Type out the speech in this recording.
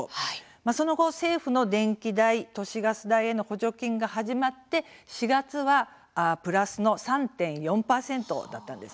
その後、政府の電気代都市ガス代への補助金が始まって４月はプラス３．４％だったんです。